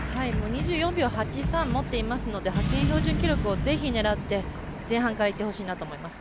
２４秒８３を持っていますので派遣標準記録をぜひ狙って前半からいってほしいなと思います。